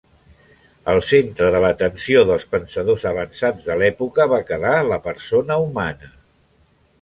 Al centre de l'atenció dels pensadors avançats de l'època va quedar la persona humana.